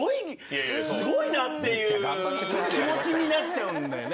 すごいなっていう気持ちになっちゃうんだよね